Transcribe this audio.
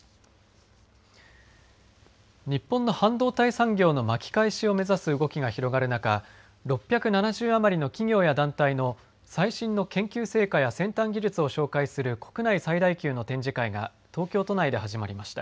日本の半導体産業の巻き返しを目指す動きが広がる中、６７０余りの企業や団体の最新の研究成果や先端技術を紹介する国内最大級の展示会が東京都内で始まりました。